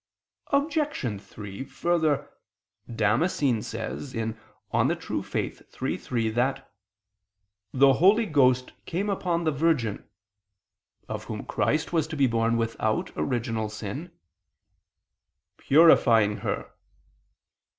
Obj. 3: Further, Damascene says (De Fide Orth. iii, 3) that "the Holy Ghost came upon the Virgin," (of whom Christ was to be born without original sin) "purifying her."